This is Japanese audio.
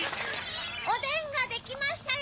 おでんができましたよ！